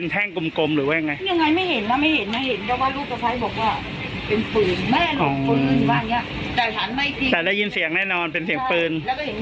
แต่ได้ยินเสียงแน่นอนเป็นเสียงปืน